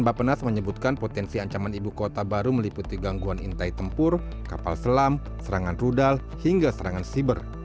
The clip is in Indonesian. bapak penas menyebutkan potensi ancaman ibu kota baru meliputi gangguan intai tempur kapal selam serangan rudal hingga serangan siber